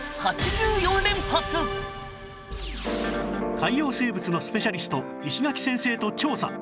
海洋生物のスペシャリスト石垣先生と調査